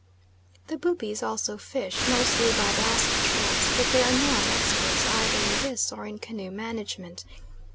The Bubis also fish, mostly by basket traps, but they are not experts either in this or in canoe management.